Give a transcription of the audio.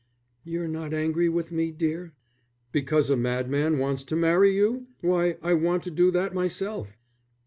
"You're not angry with me, dear?" "Because a madman wants to marry you? Why, I want to do that myself."